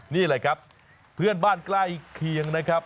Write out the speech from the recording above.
นี่แหละครับเพื่อนบ้านใกล้เคียงนะครับ